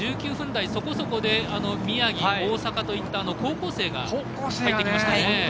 １９分台そこそこで宮城、大阪といった高校生が入ってきましたね。